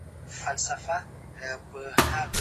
دلته د ملي هوسايني او اقتصادي پرمختګ له پاره تګلاري جوړيږي.